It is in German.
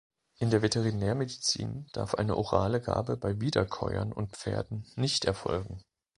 In der Veterinärmedizin darf eine orale Gabe bei Wiederkäuern und Pferden nicht erfolgen.